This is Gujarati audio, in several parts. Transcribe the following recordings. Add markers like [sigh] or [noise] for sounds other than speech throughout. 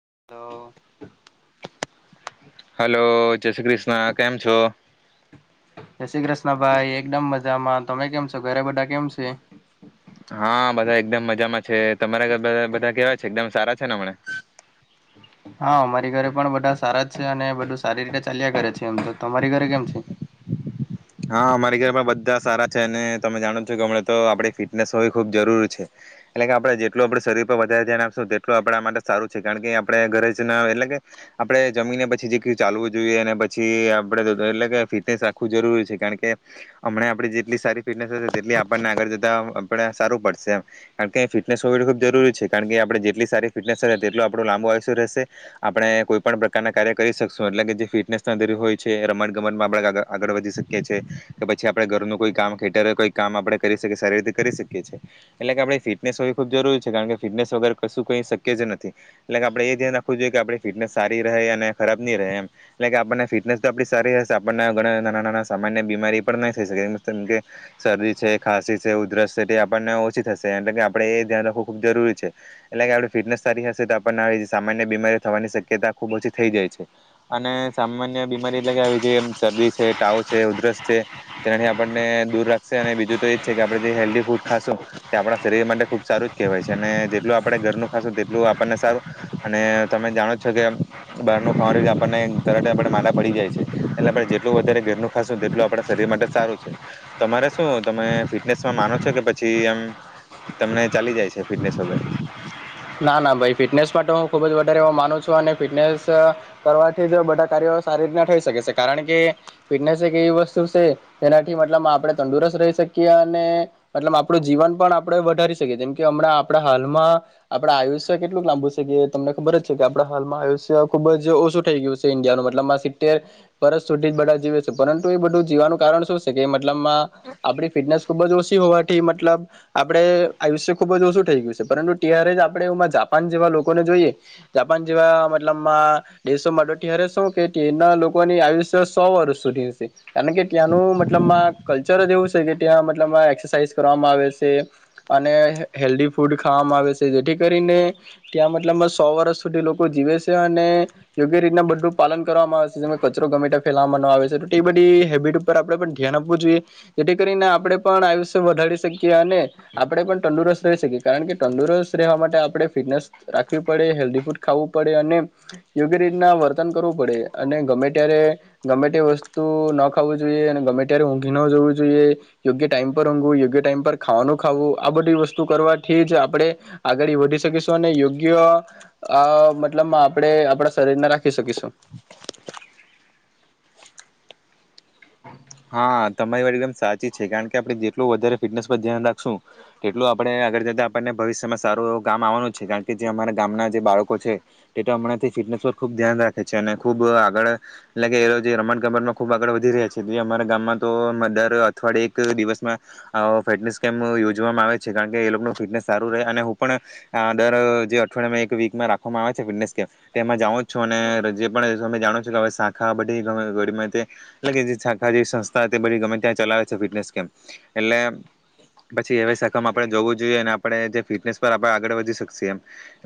[unintelligible] હલો જય શ્રી કૃષ્ણ કેમ છો? જય શ્રી કૃષ્ણ ભાઈ એકદમ મજામાં. તમે કેમ છો? ઘરે બધા કેમ છે? હા બધા એકદમ મજામાં છે તમારે બધા કેવાય છે? એકદમ સારા છે ને હમણે? હા અમારી ઘરે પણ બધા સારા છે, અને બધું સારી રીતે ચાલ્યા કરે છે, એમ તો તમારી ઘરે કેમ છે? હા અમારી ઘરમાં બધા સારા છે અને તમે જાણો છો કે હમણા તો આપણે ફિટનેસ હોવી ખુબ જરૂરી છે, એટલે કે આપણે જેટલું આપડે શરીર પર વધારે ધ્યાન આપશું તેટલું આપડા માટે સારું છે, કારણ કે આપણે ઘરે જ ના આવે એટલે કે આપણે જમીને પછી જે કઈ ચાલવું જોઈએ ને પછી આપડે એટલે કે ફિટનેસ રાખવું જરૂરી છે. કારણ કે હમણા આપડે જેટલી સારી ફિટનેસ હશે તેટલી આપણને આગળ જતા સારું પડશે કારણ કે ફિટનેસ હોવી ખુબ જરૂરી છે. કારણ કે આપણે જેટલી સારી ફિટનેસ રહે તેટલુ આપણું લાંબુ આયુષ્ય રહેશે, આપણે કોઈ પણ પ્રકારના કાર્ય કરી શકશું એટલે કે જે ફિટનેસ [inaudible] હોય છે. રમત ગમતમાં આપડા આગ આગળ વધી શ કે છે પછી આપણે ઘરનું કોઈ કામ ખેતરે કોઈ કામ આપણે કરી શકીએ સારી રીતે કરી શકીએ છે એટલે કે આપડે ફિટનેસ હોવી ખૂબ જરૂરી છે કારણ કે ફિટનેસ વગેરે કશું કઈ શક્ય જ નથી એટલે કે આપડે એ ધ્યાન રાખવું જોઈએ કે આપણી ફિટનેસ સારી રહે અને ખરાબ ની રહે એમ એટલે કે આપણને ફિટનેસ તો આપડી સારી હશે આપણ ઘણા નાના, નાના. સામાન્ય બીમારી પણ નહી થઈ શકે જેમ કે શરદી છે, ખાંસી છે, ઉધરસ છે તે આપણને ઓછી થશે એટલે કે આપણે એ ધ્યાન રાખવું ખૂબ જરૂરી છે. એટલે કે આપડી ફિટનેસ સારી હશે તો આપણને આવી સામાન્ય બીમારી થવાની શક્યતા ખૂબ ઓછી થઈ જાય છે, અને સામાન્ય બીમારી એટલે કે આવી જે શરદી છે. ટાવ છે ઉધરસ છે, તેનાથી આપણને દૂર રાખશે અને બીજું તો એજ છે કે આપણે જે હેલ્ધી ફૂડ ખાશું તે આપણા શરીર માટે ખુબ સારું જ કહેવાય છે. અને જેટલું આપણે ઘરનું ખાશું તેટલું આપણને સારું અને તમે જાણો છો કે બહારનું ખાવાનું આપણને તરત આપણને માંદા પડી જાય છે. એટલે આપણે જેટલું વધારે ધેરનુ ખાશું તેટલું આપણા શરીર માટે સારું છે. તમારે શું તમે ફિટનેસમાં માનો છો? કે પછી એમ તમને ચાલી જાય છે ફિટનેસ વગર? ના ના ભાઈ ફિટનેસ માટે હું ખુબ જ વધારે એ માનું છું. અને ફિટનેસ કરવાથી જ બધા કાર્યો સારી રીતના થઈ શકે સે કારણ કે ફિટનેસ એક એવી વસ્તુ સે જેનાથી મતલબ આપણે તંદુરસ્ત રહી શકીએ, અને મતલબ આપણું જીવન પણ આપણે વધારી શકીએ જેમ કે હમણાં આપણા હાલમાં આપડે આયુષ્ય કેટલુંક લાંબુ છે, કે તમને ખબર જ છે, કે આપણા હાલમાં આયુષ્ય ખુબ જ ઓછું થઈ ગયું છે, ઈન્ડિયાનું મતલબમાં સીતેર પરત સુધી જ બધા જીવે છે, પરંતુ એ બધું જીવાનું કારણ શું છે, કે લબમાં આપડી ફિટનેસ ખુબ જ હોવાથી મતલબ આપડે આયુષ્ય ખુબ જ ઓછું થઈ ગયું છે પરંતુ તિયાર આપણે એ જાપાન જેવા લોકોને જોઈએ જાપાન જેવા મતલબમાં દેશોમા ત્યારે શું કે તેના લોકોની આયુષ્ય સો વર્ષ સુધીની છે. કારણ કે ત્યાંનું મતલબમાં કલ્ચર જ એવું છે. કે ત્યાં મતલબમાં એક્સરસાાઈઝ કરવામાં આવે સે અને હેલ્ધી ફૂડ ખાવામાં આવે સે. જેથી કરીને ત્યાં મતલબમાં સો વર્ષ સુધી લોકો જીવે છે અને યોગ્ય રીતના બધું પાલન કરવામાં આવે છે જેમાં કચરો ગમે ત્યાઁ ફેલાવામા નો આવે સે, તો એ બધી હેબિટ ઉપર આપણે પણ ધ્યાન આપવું જોઈએ, જેથી કરીને આપણે પણ આયુષ્ય વધારી શકીએ અને આપણે પણ તંદુરસ્ત રહી શકીએ કારણ કે તંદુરસ્ત રહેવા માટે આપણે ફિટનેસ રાખવી પડે હેલ્ધી ફૂડ ખાવું પડે અને યોગ્ય રીતના વર્તન કરવું પડે અને ગમે ત્યારે ગમે તે વસ્તુ ન ખાવું જોઈએ. અને ગમે ત્યારે ઊંઘી ન જવું જોઈએ. યોગ્ય ટાઈમ પર ઊંઘવું યોગ્ય ટાઈમ પર ખાવાનું ખાવું આ બધી વસ્તુ કરવાથી જ આપણે આગળ વધી શકીશું અને યોગ્ય અ મતલબમાં આપણે આપણા શરીરને રાખી શકીશું. હા તમારી વાર એકદમ સાચી છે. કારણ કે આપણે જેટલું વધારે ફિટનેસ પર ધ્યાન રાખશું તેટલું આપણે આગળ જતાં આપણને ભવિષ્યમાં સારું એવું ગામ આવવાનું જ છે. કારણ કે જે અમારા ગામના જે બાળકો છે તે તો હમણાંથી ફિટનેસ પર ખૂબ ધ્યાન રાખે છે. અને ખૂબ આગળ એટલેાગ એ જે રમત ગમતમાં ખૂબ આગળ વધી રહ્યા છે. જે અમારા ગામમાં તો અમે દર અઠવાડિયે એક દિવસમાં આવો ફિટનેસ કેમ્પ યોજવામાં આવે છે. કારણ કે એ લોકોનું ફિટનેસ સારું રહે અને હું પણ દર જે અઠવાડમાં એક વીકમાં રાખવામાં આવે છે ફિટનેસ કેમ્પ તેમાં જાઉું જ છું અને જે પણમે જાણો છો કે શાખા બધી [unintelligible] એટલે કે જે તા જે સંસ્થા તે બધી ગમે ત્યાં ચલાવે છે ફિટનેસ કેમ એટલે પછી હવે શાખામાં આપણે જોવું જોઈએ અને આપણે ફિટને પરણે આગળ વધી શકીએ એમ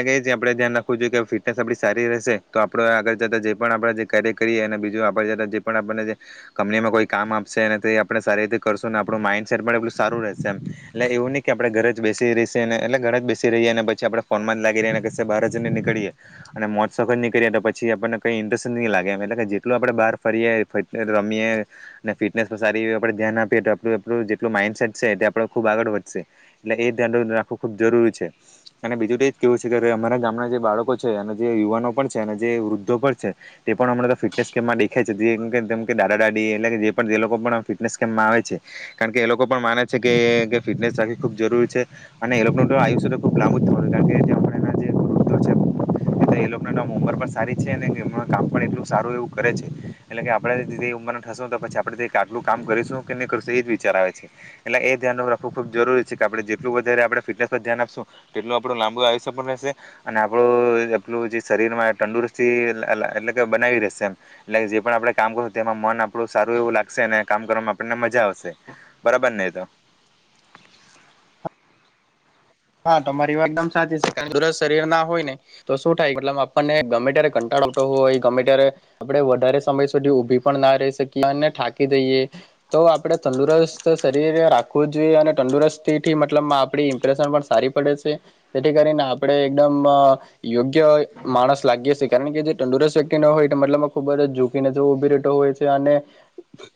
એટલે્યાન રાખવું જોઈએ કે ફટનેસ આપ સારી રહેશે તો આપ આગળતા જે આપણે કાર્ય કરીએ અને બીજું આપને જતા જે પણ આપને તે કંપનીમાં કોઈ કામ આપશે ને તે એ આપણે સારી રીતે કરશું ને આપણું માઇન્ડસેટ પણ એટલું સારું રહેશે એમ. એટલે એવું નહીં કે આપણે ઘરે જ બેસી રહીશે ને એટલે ઘરે જ બેસી રહીએ અને પછી આપણે ફોનમાં જ લાગી ર્યાએને કી બહાર જ નહી નીકળીએ અને મોજ શોક ચ ની કળીએ તો પછી આપણને કંઈ ઇન્ટરેસ્ટ નથીહીં લાગે એમ એટલે કે જેટલું આપણે બહાર ફરીએ ફ ર મીયે ને ફિટનેસ પર સારી એ આપણે ધ્યાન આપીએ તો આપણું આપણું જેટલું માઈન્ડસેટ છે એ આપડ ખૂબ આગળ વધશે એટલે એ ધ્યાન રાખવું ખૂબ જરૂરી છે. અને બીજું તો એ જ કેવું છે કે અમારા ગામના જે બાળકો છે, અને જે યુવાનો પણ છે, અને જે વૃદ્ધો પણ છે, તે પણ હમણાં તો ફિટનેસ કેમમાં દેખાય છે. જે એમ કેમ તેમ કે દાદા દાદી એટલે કે જે પણ જે લોકો પણ ફિટનેસ કેમ્પમાં આવે છે. કારણ કે એ લોકો પણ માને છે કે ફિટનેસ રાખવી ખુબ જરૂરી છે. અને એ લોકોનું તો આયુષ્ય તો ખુબ લાંબુ જ થવાનું છે. કારણ જે એ લોકો ઉંમર પણ સારી છે. અને એ કામ પણ એટલું સારું એવું કરે છે. એટલે કે આપણે ઉંમર થશું તો પછી આપણેે આટલું કામ કરીશું કે નહીં કરીશું એ જ વિચાર આવે છે. એટલે એ ધ્યાન રાખવું ખૂબ જરૂરી છે કે આપણે જેટલું વધારે આપણે ફિટનેસ પર ધ્યાન આપશું તેટલું આપણું લાંબો આવી સ રહેશે અને આપણું એટલું જે શરીરમાં તંદુરસ્તી એટલે કે બનાવી રહેશે એમ એટલે કે જે પણ આપણે કામ કર તેમાં મન આપણું સારું એવું લાગશે કામ કરવામાં આપણને મજા આવશે. બરાબર ને એ તો? હા તમારી વાત દમ સાચી છે. તંદુરસ્ત શરીર ના હોય ને તો શું થાય મલ આપણને ગમે ત્યારે કંટાળોટો હોય ગમે ત્યારે આપડે વધારે સમય સુધી ઊભી પણ ના રહી શકીએ અને થાકી દઈએ તો આપડે તંદુરસ્ત શરીર રાખવું જોઈએ. અને તંદુરસ્તી થી મતલબ આપણી ઇમ્પ્રેશન પણ સારી પડે છે. તેથી કરીને આપણે એકદમ યોગ્ય માણસ લાગીયેછે કારણ કે જે તંદુરસ્ત વ્યક્તિ ન હોય એ મતલબમાં ખુબ જ ઝૂકીને જવ ઉભી રહેતો હોય છે. અને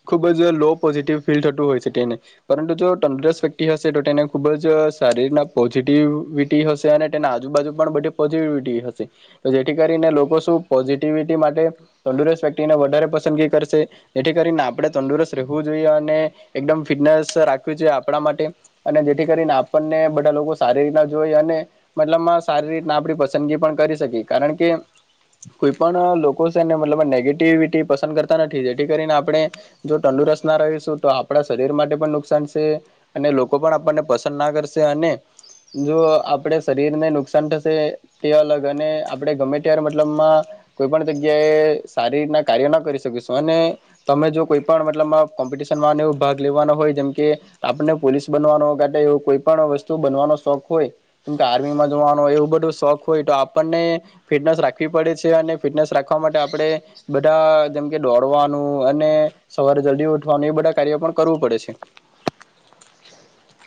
ખુબ જ લો પોઝિટિવ ફીલ થતું હોય છે તેને પરંતુ જો તંદુરસ્ત વ્યક્તિ હશે તો તેને ખૂબ જ શારીરના પોઝિટિવિટી હશે અને તેના આજુ-બાજુ પણ બધી પોઝિટિવિટી હશે તો જેથી કરીને લોકો શું પોઝિટિવિટી માટે તંદુરસ્ત વ્યક્તિને વધારે પસંદગી કરશે જેથી કરીને આપણે તંદુરસ્ત રહેવું જોઈએ. અને એકદમ ફિટનેસ રાખવી જોઈએ. આપણા માટે અને જેથી કરીને આપણને બ ધા લોકો સારી રીતના જોઈ અને મતલબમાં સારી રીતના આપ પસંદગી પણ કરી શકીએ. કારણ કે કોઈ પણ લોકો છેને મતલબ નેગેટિવિટી પસંદ કરતા નથી જેથી કરીને આપણે જો તંદુરત ના રહીશું તો આપણા શરીર માટે પણ નુકસાન છે. અને લોકો પણ આપણને પસંદ ના કરશે અને જો આપડે શરીરને નુકસાન થશે તે અલગ અને આપણે ગમે ત્યારે મતલબમાં કોઈ પણ જગ્યાએ સારી રીતના કાર્ય ના કરી શકીશું અને તમે જો કોઈ પણ મતલબ કોમ્પિટિશનમાં એવ ભાગ લેવાનો હોય જેમ કે આપને પોલીસ બનવાનો એવું કોઈ પણ વસ્ તુ બનવાનો શોખ હોય. જેમ આર્મીમાં જોવાનો હોય એવું બધું શોખ હોય. તો આપણને ફિટનેસ રાખવી પડે છે. અને ફિટનેસ રાખવા માટે આપણે બધા જેમકે દોડવાનું અને સવારે જલ્દી ઉઠવાનું એ બધા કાર્યો પણ કરવું પડે છે.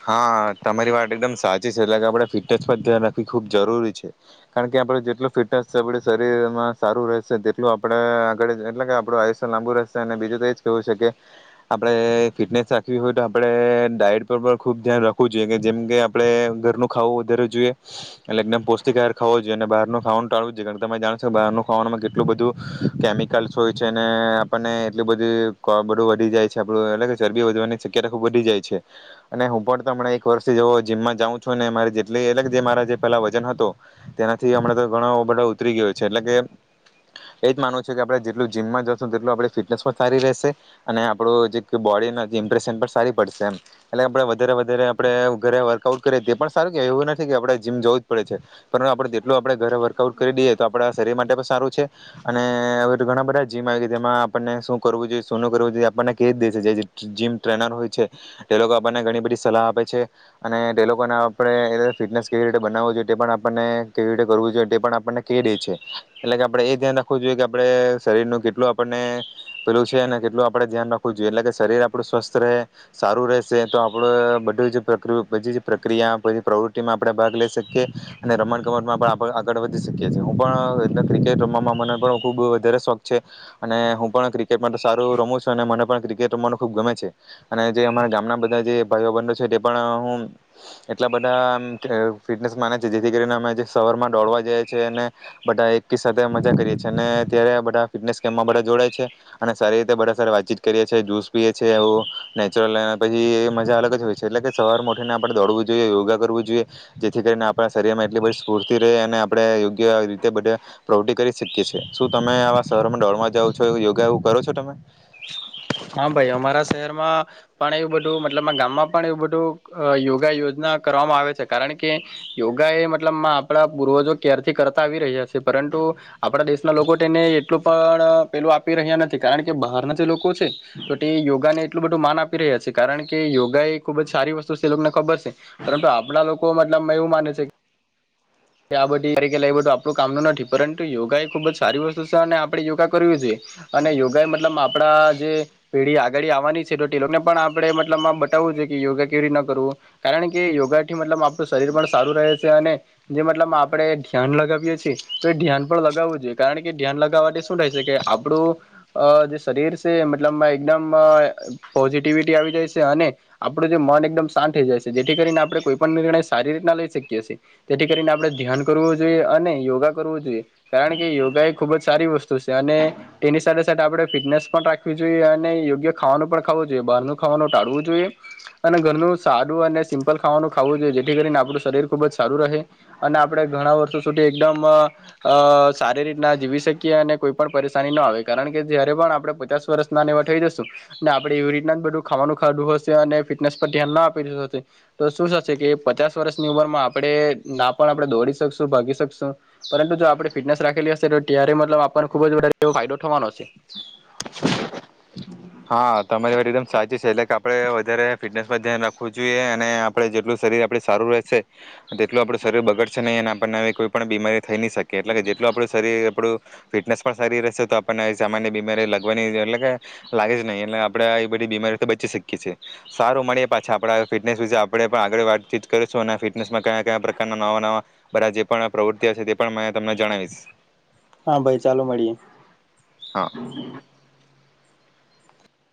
હા તમારી વાત એકદમ સાચી છે. એટલે કે આપણે ફિટનેસ પર ધ્યાન રાખવી ખૂબ જરૂરી છે. કારણ કે આપડ જેટલું ફિટનેસ આપડ શરીરમાં સારું રહેશે તેટલું આપણે આગળ એટલે કે આપણું આયુષ્ય લાંબુ રહેશે અને બીજું તો એજ કેવું છે. કે આપણે ફિટનેસ રાખવી હોય તો આપણે ડાઈટ પર ખુબ ધ્યાન રાખવું જોઈએ. કે જેમ કે આપણે ઘરનું ખાવું વધારું જોઈએ. એટલે એકદમ પૌષ્ટિક આાર ખાવો જોઈએ. અને બહારનું ખાવાનું ટાળવું જોઈએ. કાર તમે જાણો છો કે બહારનું ખાવાનું કેટલું બધું કેમિકલ્સ હોય છે. અને આપણને એટલું બધું વધી જાય છે. આપ એટલે ચરબી વધવાની શકતા ખુબ વધી જાય છે. અને હું પણ તો હમણા એક વર્ષથીવ જીમમાં જાઉં છું. ને મારે જેટલી અલગ જે મારા પેલા વજન હતો તેનાથી હમણા ઘણો બધો ઉતરી ગયો છે. એટલે કે એજ માનવું છે કે આપણે જેટલું જીમમાં જાશું તેટલું આપ ફિટનેસ પણ સારી રહેશે અને આપણું જે બોડી ઇમ્પ્રેશન પણ સારી પડશે એમ. એટલે કે આપણે વધારે વધારે આપણે ઘરે વર્કઆઉટ કરીએ તે પણ સારું કે એવું નથી કે આપણે જીમ જવું જ પડે છે. પરંતુ આપણે જેટલું આપણે ઘરે વર્કઆઉટ કરી દઈએ તો આપણા શરીર માટે પણ સારું છે. અને હવે ઘણા બધા જીમ આવી જેમાં આપણને શું કરવું જોઈએ શું કરવું જોઈએ આપણને કે જ દે છે જે જીમ ટ્રેનર હોય છે. તે લોકો આપણને ઘણી બધી સલાહ આપે છે. અને તે લોકોને આપણે ફિટનેસ કેવી રીતે બનાવવું જોઈએ તે પણ આપણને કેવી રીતે કરવું જોઈએ તે પણ આપણને ક દે છે. એટલે કે આપણેે એ ધ્યાન રાખવું જોઈએ કે આપણે શરીરનું કેટલું આપણને પેલું છે અને કેટલું આપડણે ધ્યાન રાખવું જોઈએ એટલે કે શરીર આપડું સ્વસ્થ રહે સારું રહે છે તો આપડ બધું જ પ્રક બધી જ પ્રક્રિયાી પ્રવૃત્તિમાં આપણે ભાગ લઈ શકીએ અને રમણ કમતમાં પણ આપ આગળ વધી શકીએ છીએ. હું પણ ક્રિકેટ રમવાવામાં મને પણ ખૂબ વધારે શોખ છે. અને હું પણ ક્રિકેટમાં તો સારું રમું છું અને મને પણ ક્રિકેટ રમવાનું ખૂબ ગમે છે. અને જે અમારા ગામ બધા જે ભાઈઓ બધો છે તે પણ હું એટલા બધા આમ એ ફિટનેસ માને છે જેથી કરીને અમે જે સવારમાં દોડવા જ છીએ અને બધા એકી સાથે મજા કરીએ છીએ અને ત્યારે બધા ફિટનેસ કેપમાં બધા જોડાય છે અને સારી રીતે બધા સાથે સારી રીતે વાતચીત કરીએ છીએ, જુસ પીએ છીએ એવો નેચરલ પછી એ મજા અલગ જ હોય છે એટલે કે સવાર માંઠીને આપણે દોડવું જોઈએ, યોગા કરવું જોઈએ જેથી કરીને આપણા શરીર માં એટલી બધી સ્ફૂર્તિ રે અને આપણે યોગ્ય રીતે બધે પ્રવૃતિ કરી શકીએ છીએ. શું તમે આવા સવારમાં દોડમાં જઓ છો, યોગા એવું કરો છો તમે? હા, ભાઈ અમારા શહેરમાં પણ એવું બધું મતલબ ગામમાં પણ એવું બધું યોગા યોજના કરવામાં આવે છે કારણ કે યોગા એ મતલબમાં આપણા પૂર્વજો ક્યારથી કરતા આવી રહ્યા છે પરંતુ આપણા દેશના લોકો તેને એટલું પણ પેલું આપી રહ્યા નથી કારણ કે બહારના જે લોકો છે તો તે યોગાને એટલું બધું માન આપી રહ્યા છે કારણ કે યોગા એ ખુબ જ સારી વસ્તુ છે એ લોકોને ખબર છે પરંતુ આપણા લોકો મતલબમાં એવું માને છે આ બધીકે લ બધું આપણું કામનું નથી પરંતુ યોગા એ ખુબ જ સારી વસ્તુ છે અને આપણેે યોગા કરવી જોઈએ અને યોગા એ મતલબ આપણા જે પેઢી આગળ આવવાની છે તો તે લોકોને પણ આપણે મતલબ આ બતાવું છે કે યોગા કેવી રીત ના કરવું કારણ કે યોગાથી મતલબ આપણું શરીર પણ સારું રહે છે અને જે મતલબ આપણે ધ્યાન લગાવીએ છીએ તો એ ધ્યાન પણ લગાવવું જોઈએ કારણ કે ધ્યાન લગાવવા માટે શું થાય છે કે આપણું જે શરીર છે મતલબમાં એકદમ પોઝિટિવિટી આવી જાય છે અને આપણું જે મન એકદમ શાંત થઈ જાય છે જેથી કરીને આપણે કોઈ પણ નિર્ણય સારી રીતના લઈ શકીએ છીએ. તેથી કરીને આપણે ધ્યાન કરવું જોઈએ અને યોગા કરવું જોઈએ કારણ કે યોગા એ ખૂબ જ સારી વસ્તુ છે અને તેની સાથે સાથે આપણે ફિટનેસ પણ રાખવી જોઈએ અને યોગ્ય ખાવાનું પણ ખાવું જોઈએ બહારનું ખાવાનું ટાળવું જોઈએ અને ઘરનું સારું અને સિમ્પલ ખાવાનું ખાવું જોઈએ જેથી કરીને આપણું શરીર ખૂબ જ સારું રહે અને આપડણે ઘણા વર્ષો સુધી એકદમ અ અ સારી રીતના જીવી શકીએ અને કોઈ પણ પરેશાની ન આવે કારણ કે જયારે પણ આપડણે પચાસ વર્ષ ના એવાર થઈ જશું આપણેે એવી રીતના બધું ખાવાનું ખાધું હશે અને ફિટનેસ પર ધ્યાન ના આપી હશે તો શું થશે કે પચાસ વર્ષની ઉંમરમાં આપણે ના પણ આપણે દોડી શકશું, ભાગી શકશું પરંતુ જો આપણે ફિટનેસ રાખેલી હશે તો ત્યારે મતલબ આપણને ખુબ જ એવો ફાયદો થવાનો હશે. હા, તમારી વાત એકદમ સાચી છે એટલે કે આપ આપણે વધારે ફિટનેસ પર ધ્યાન રાખવું જોઈએ અને આપણે જેટલું શરીર આપડ સારું રહેશે તેટલું આપણું શરીર બગડશે નહી અને આપણને કોઈ પણ બીમારી થઈ નહી શકીએ એટલે કે જેટલું આપણું શરીર આપણું ફિટનેસ પણ સારી રહેશે તો આપણને સામાન્ય બીમારી લગવાની એટલે કે લાગે જ નહીં એટલે આપણેે આ બધી બીમારીઓથી બચી શકીએ છીએ. સારું મળીએ પાછા આપ ફિટનેસ વિશે આપણે પણ આગળ વાતચીત કરીશું અને ફિટનેસમાં કયા-કયા પ્રકારના નવા-નવા બધા જે પણ પ્રવૃતિ છે તે પણ તમને જણાવીશ. હા, ભાઈ ચાલો મળીએ. હા